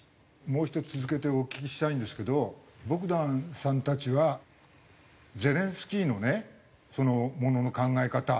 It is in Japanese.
もう１つ続けてお聞きしたいんですけどボグダンさんたちはゼレンスキーのねものの考え方